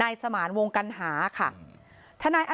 อย่างกลัวปกติก็เป็นคนรักเด็ก